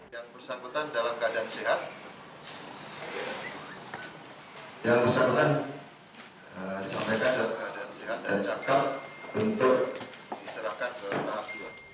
yang bersangkutan dalam keadaan sehat yang bersangkutan disampaikan dalam keadaan sehat dan cakep untuk diserahkan ke tahap dua